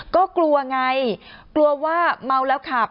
ก็กลัวไงกลัวว่าเมาแล้วขับ